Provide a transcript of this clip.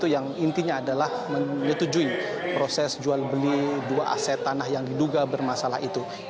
yang intinya adalah menyetujui proses jual beli dua aset tanah yang diduga bermasalah itu